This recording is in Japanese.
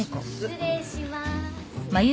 失礼します。